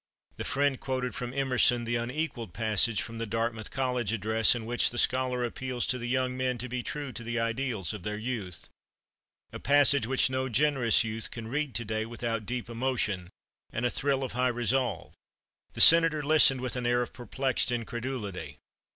The friend quoted from Emerson the unequalled passage from the Dartmouth College address in which the scholar appeals to the young men to be true to the ideals of their youth a passage which no generous youth can read to day without deep emotion and a thrill of high resolve. The Senator listened with an air of perplexed incredulity.